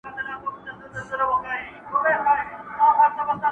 دا کيسه د پښتو داستاني ادب له پياوړو اثارو څخه ګڼل کيدای سي,